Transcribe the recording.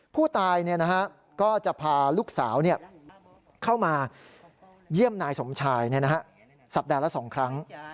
ผู้ตายก็จะพาลูกสาวเข้ามาเยี่ยมนายสมชายสัปดาห์ละ๒ครั้ง